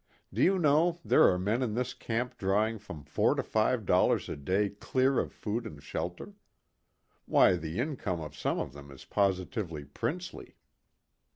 Do you know, there are men in this camp drawing from four to five dollars a day clear of food and shelter? Why, the income of some of them is positively princely."